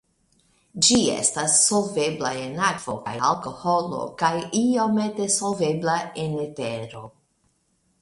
Ĝi estas solvebla en akvo kaj alkoholo kaj iomete solvebla en etero.